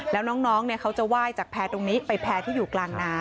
แล้วน้องเขาจะไหว้จากแพร่ตรงนี้ไปแพร่ที่อยู่กลางน้ำ